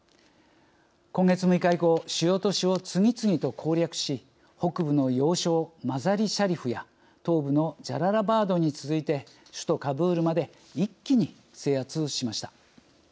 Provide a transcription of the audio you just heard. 今月６日以降主要都市を次々と攻略し北部の要衝マザリシャリフや東部のジャララバードに続いて首都カブールまで一気に制圧しました。